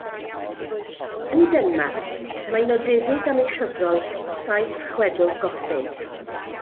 Yn Denmarc mae'n nodedig am ei chyfrol Saith Chwedl Gothig.